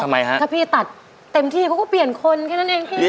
ทำไมฮะถ้าพี่ตัดเต็มที่เขาก็เปลี่ยนคนแค่นั้นเองพี่